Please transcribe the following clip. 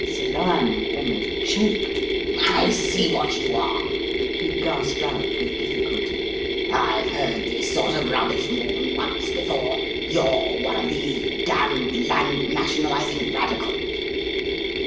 Sir Lionel almost choked. "I see what you are," he gasped out with difficulty. "I've heard this sort of rubbish more than once before. You're one of these damned land nationalising radicals."